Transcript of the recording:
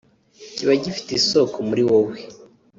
kiba gifite isoko muri wowe